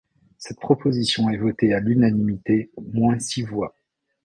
Cette proposition est votée à l'unanimité moins six voix.